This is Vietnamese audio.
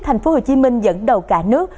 thành phố hồ chí minh dẫn đầu cả nước